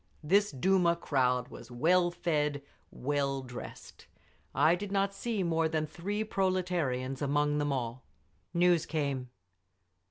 This Duma crowd was well fed, well dressed; I did not see more than three proletarians among them all…. News came.